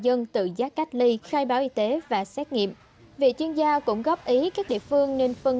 dân tự giác cách ly khai báo y tế và xét nghiệm vị chuyên gia cũng góp ý các địa phương nên phân